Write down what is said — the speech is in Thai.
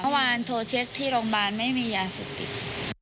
เมื่อวานโทรเช็คที่โรงพยาบาลไม่มียาเสพติด